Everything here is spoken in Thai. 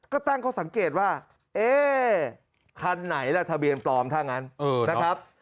ก็ตั้งข้อสังเกตว่าเอ๊คันไหนล่ะทะเบียนปลอมถ้างั้นนะครับ